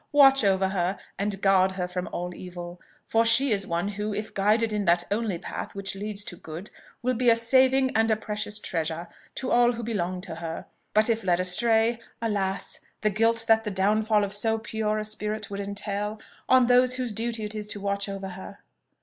Watch over her, and guard her from all evil! for she is one who, if guided in that only path which leads to good, will be a saving and a precious treasure to all who belong to her: but if led astray alas! the guilt that the downfall of so pure a spirit would entail on those whose duty it is to watch over her!"